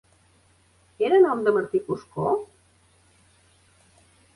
Era a nom de Martí Cuscó?